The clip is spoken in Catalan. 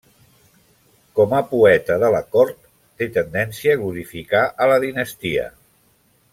Com a poeta de la cort té tendència a glorificar a la dinastia.